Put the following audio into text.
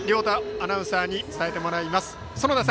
アナウンサーに伝えてもらいます。